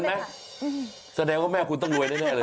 เหมือนไหมแสดงว่าแม่คุณต้องรวยแน่เลย